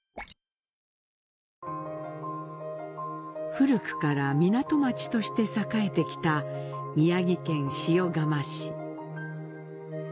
古くから港町として栄えてきた宮城県塩竈市。